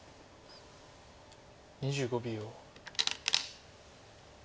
２５秒。